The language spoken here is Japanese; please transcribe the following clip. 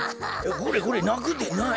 これこれなくでない。